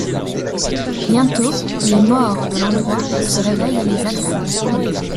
Bientôt, les morts de l'endroit se réveillent et les attaquent.